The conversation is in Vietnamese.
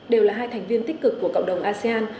đều là hai thành viên tích cực của cộng đồng asean